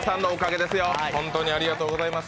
ありがとうございます。